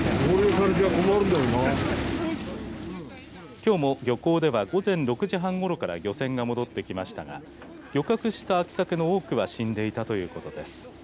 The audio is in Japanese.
きょうも漁港では午前６時半ごろから漁船が戻ってきましたが漁獲した秋サケの多くは死んでいたということです。